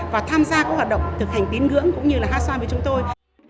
và tham gia các hoạt động thực hành tín ngưỡng cũng như là hát xoan với chúng tôi